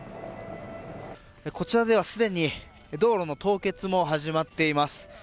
こちらではすでに道路の凍結も始まっています。